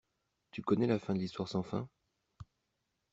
Tu connais la fin de l'Histoire sans Fin?